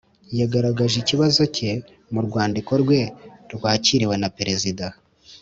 Yagaragajeikibazo cye mu rwandiko rwe rwakiriwe na perezida